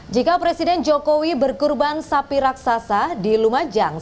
jika presiden jokowi berkurban sapi raksasa di lumajang